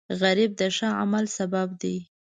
غریب د ښه عمل سبب دی